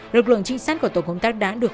lực lượng trinh sát của tổ công tác đã được